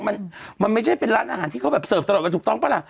มันมันไม่ใช่เป็นร้านอาหารที่เขาแบบเสิร์ฟตลอดไปถูกต้องปะล่ะ